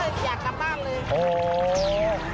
เราก็อยากกลับบ้านเลย